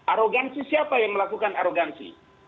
arogansi siapa yang melakukan arogansi